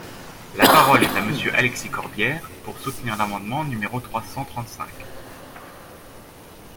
La parole est à Monsieur Alexis Corbière, pour soutenir l’amendement numéro trois cent trente-cinq.